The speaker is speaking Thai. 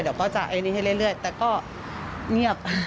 เดี๋ยวก็จะไอ้นี่ให้เรื่อยแต่ก็เงียบ